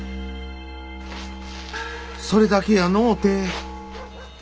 それだけやのうて。